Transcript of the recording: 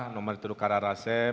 nomor terserah raseb